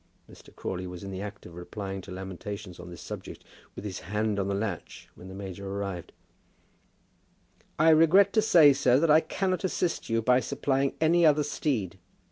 Mr. Crawley was in the act of replying to lamentations on this subject, with his hand on the latch, when the major arrived "I regret to say, sir, that I cannot assist you by supplying any other steed."